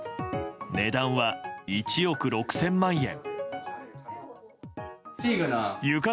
値段は１億６０００万円。